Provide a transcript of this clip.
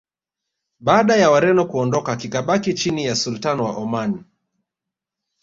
baada ya wareno kuondoka kikabaki chini ya sultani wa oman